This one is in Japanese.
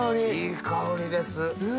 いい香りです。